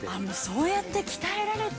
◆そうやって、鍛えられて。